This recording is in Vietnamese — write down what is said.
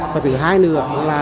và thứ hai nữa là